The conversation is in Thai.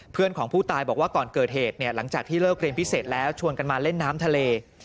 เพื่อนของผู้ตายบอกว่าก่อนเกิดเหตุเนี่ยหลังจากที่เลิกเรียนพิเศษแล้วชวนกันมาเล่นน้ำทะเล